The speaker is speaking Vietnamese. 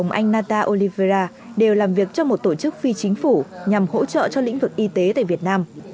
anh nata olivera đều làm việc cho một tổ chức phi chính phủ nhằm hỗ trợ cho lĩnh vực y tế tại việt nam